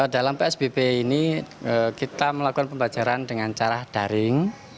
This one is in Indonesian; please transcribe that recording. dalam psbb ini kita melakukan pembelajaran dengan cara daring